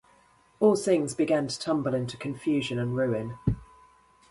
All things began to tumble into confusion and ruin.